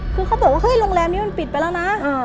คือเขาบอกว่าเฮ้ยโรงแรมนี้มันปิดไปแล้วนะ